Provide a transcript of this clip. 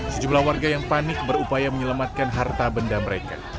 sejumlah warga yang panik berupaya menyelamatkan harta benda mereka